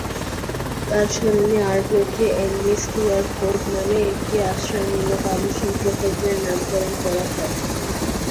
তাঁর স্মরণে আরব্রোথে 'অ্যান্ডি স্টুয়ার্ট কোর্ট' নামে একটি আশ্রয়মূলক আবাসন প্রকল্পের নামকরণ করা হয়।